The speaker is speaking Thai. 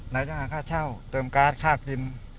ไหนจะหาค่าเช่าเติมการ์ดค่ากิน